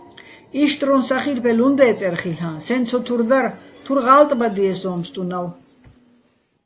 იშტრუჼ სახილბელ უ̂ჼ დე́წერ ხილ'ა, სეჼ ცოთურ დარ, თურ ღა́ლტბადიეჼ სო́ჼ ბსტუნავ!